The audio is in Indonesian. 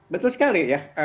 betul sekali ya